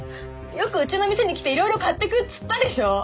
よくうちの店に来ていろいろ買っていくっつったでしょう！